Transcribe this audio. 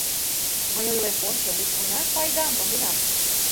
Мый ойлем: ончо, мый кунар пайдам конденам.